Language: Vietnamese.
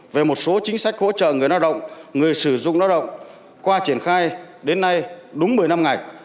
về một số chính sách hỗ trợ người lao động người sử dụng lao động qua triển khai đến nay đúng một mươi năm ngày